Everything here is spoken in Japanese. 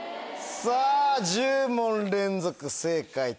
さぁ１０問連続正解達成。